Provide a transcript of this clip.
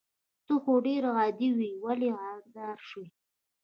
ته خو ډير عادي وي ولې غدار شوي